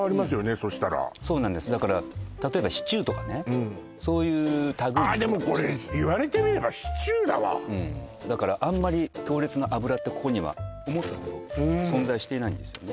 そしたらそうなんですだから例えばシチューとかねそういう類いがあでもこれだからあんまり強烈な脂ってここには思ったほど存在していないんですよね